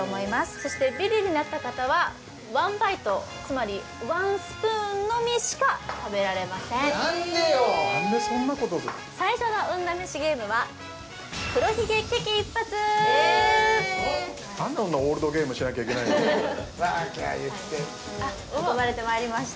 そしてビリになった方はワンバイトつまりワンスプーンのみしか食べられません何でよ何でそんなこと最初の運試しゲームはワーキャー言って運ばれてまいりました